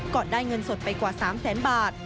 กอดได้เงินสดไปกว่า๓๐๐๐๐๐บาท